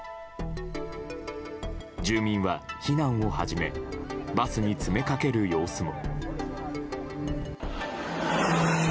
住民は避難を始めバスに詰めかける様子も。